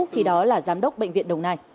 khi đó là giám đốc bệnh viện đồng nai